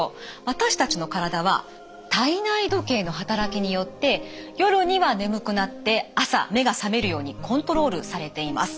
私たちの体は体内時計の働きによって夜には眠くなって朝目が覚めるようにコントロールされています。